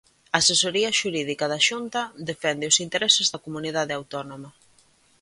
A Asesoría Xurídica da Xunta defende os intereses da comunidade autónoma.